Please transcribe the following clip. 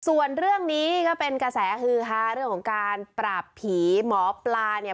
ส่วนเรื่องนี้ก็เป็นกระแสฮือฮาเรื่องของการปราบผีหมอปลาเนี่ย